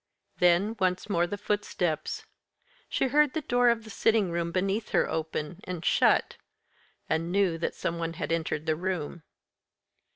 Then once more the footsteps she heard the door of the sitting room beneath her open, and shut, and knew that some one had entered the room.